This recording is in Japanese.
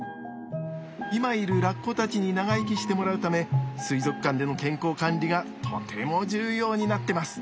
今いるラッコたちに長生きしてもらうため水族館での健康管理がとても重要になってます。